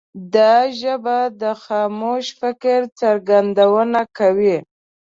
دا ژبه د خاموش فکر څرګندونه کوي.